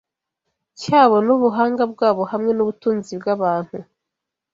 cyabo nubuhanga bwabo hamwe nubutunzi bwabantu